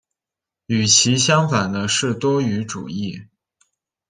与其相反的是多语主义。